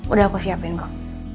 udah aku siapin kok